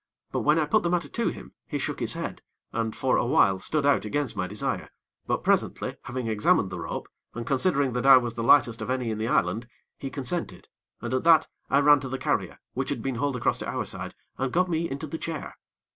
But when I put the matter to him, he shook his head, and, for awhile, stood out against my desire; but, presently, having examined the rope, and considering that I was the lightest of any in the island, he consented, and at that I ran to the carrier which had been hauled across to our side, and got me into the chair.